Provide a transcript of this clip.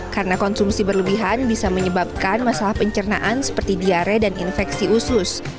karena konsumsi berlebihan bisa menyebabkan masalah pencernaan seperti diare dan infeksi usus